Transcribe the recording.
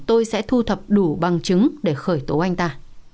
tôi sẽ thu thập đủ bằng chứng để khởi tố anh ta